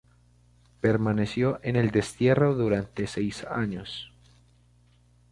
Permaneció en el destierro durante seis años.